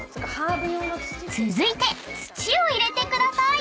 ［続いて土を入れてください］